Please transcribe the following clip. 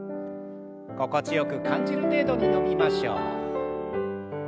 心地よく感じる程度に伸びましょう。